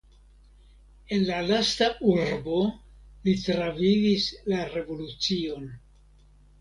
En la lasta urbo li travivis la revolucion.